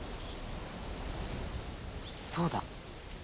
そうだ！